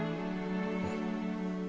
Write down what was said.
うん。